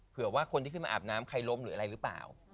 เผื่อว่าคนที่ขึ้นมาอาบน้ำใครล้มหรืออะไรหรือเปล่า